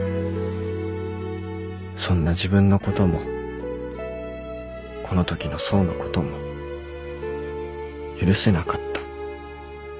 そんな自分のこともこのときの想のことも許せなかった